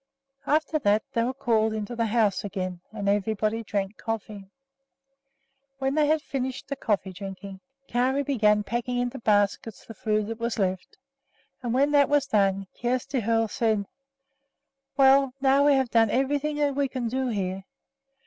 After that they were called into the house again and everybody drank coffee. When they had finished the coffee drinking, Kari began packing into baskets the food that was left; and when that was done, Kjersti Hoel said: "Well, now we have done everything that we can here.